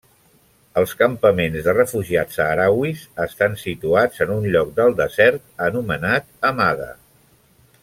Els Campaments de Refugiats Sahrauís estan situats en un lloc del desert anomenat Hamada.